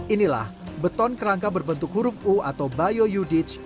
inilah beton kerangka berbentuk huruf u atau bio u ditch